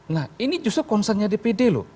nah ini justru concernnya dpd loh